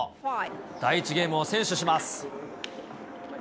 第１ゲームを先取します。